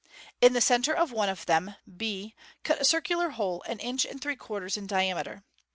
In the centre of one of them, 6, cut a circular hole an inch and three quarters in diameter.